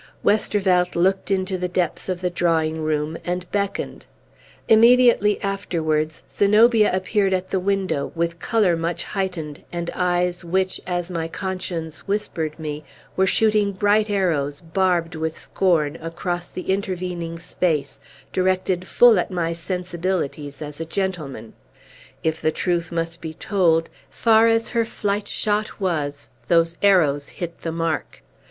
Westervelt looked into the depths of the drawing room, and beckoned. Immediately afterwards Zenobia appeared at the window, with color much heightened, and eyes which, as my conscience whispered me, were shooting bright arrows, barbed with scorn, across the intervening space, directed full at my sensibilities as a gentleman. If the truth must be told, far as her flight shot was, those arrows hit the mark.